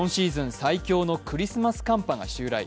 最強のクリスマス寒波が襲来。